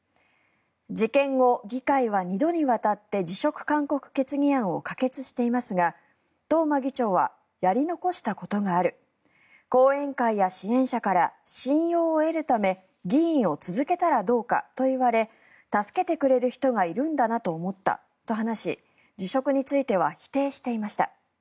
事件後、議会は２度にわたって辞職勧告決議案を可決していますが東間議長はやり残したことがある後援会や支援者から信用を得るため議員を続けたらどうかと言われ助けてくれる人がいるんだなと思ったと話し辞職については否定していました。